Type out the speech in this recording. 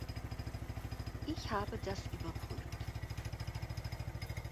Ich habe das überprüft.